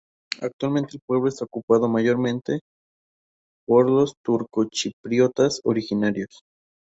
Actualmente el pueblo está ocupado, mayormente, por los turcochipriotas originarios.